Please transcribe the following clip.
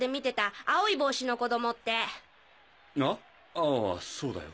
ああそうだよ。